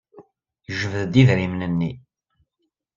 Yejbed-d idrimen-nni.